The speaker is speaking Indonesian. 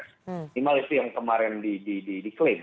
intimal itu yang kemarin di claim